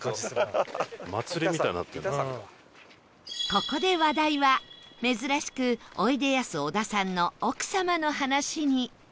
ここで話題は珍しくおいでやす小田さんの奥様の話に